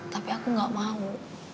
tapi aku gak mau